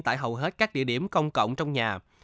tại hầu hết các địa điểm công cộng trong nhà